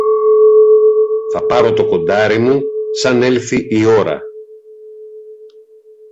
Θα πάρω το κοντάρι μου, σαν έλθει η ώρα.